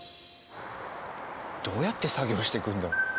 どうやって作業していくんだろう？